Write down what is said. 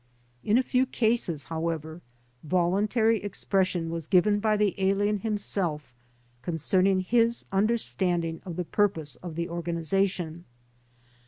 In a few cases, however, voluntary expression was given by the alien himself concerning his tmderstand ing of the purpose of the organization.